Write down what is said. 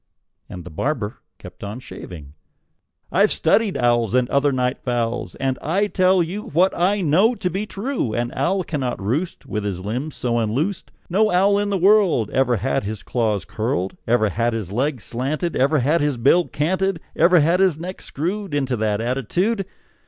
And the barber kept on shaving. "I've studied owls, And other night fowls, And I tell you What I know to be true: An owl cannot roost With his limbs so unloosed; No owl in this world Ever had his claws curled, Ever had his legs slanted, Ever had his bill canted, Ever had his neck screwed Into that attitude.